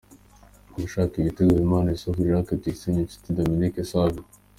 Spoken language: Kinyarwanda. Abashaka ibitego: Habimana Yussuf, Jacques Tuyisenge, Nshuti Dominique Savio.